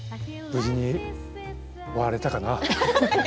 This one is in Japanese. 無事に終われたかな。